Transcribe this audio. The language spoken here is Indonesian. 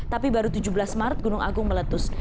tapi baru tujuh belas maret gunung agung meletus